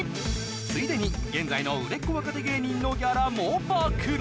ついでに現在の売れっ子若手芸人のギャラも暴露！